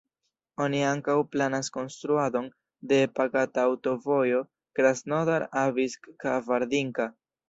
Oni ankaŭ planas konstruadon de pagata aŭtovojo Krasnodar-Abinsk-Kabardinka.